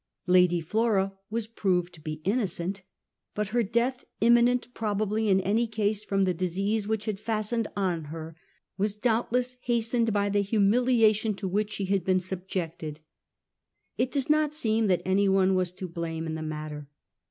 Lady Flora was proved to be innocent ; but her death, imminent probably in any case from the disease which had fastened on her, was doubtless hastened by the humiliation to which she had been subjected. It does not seem that anyone was to blame in the matter.